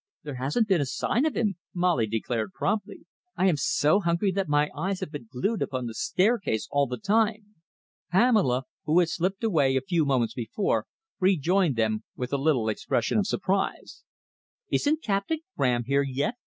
"There hasn't been a sign of him," Molly declared promptly. "I am so hungry that my eyes have been glued upon the staircase all the time." Pamela, who had slipped away a few moments before, rejoined them with a little expression of surprise. "Isn't Captain Graham here yet?"